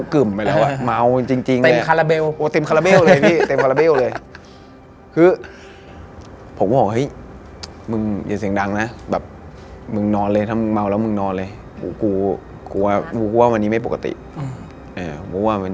คือทะลุกึ่มไปแล้วอะ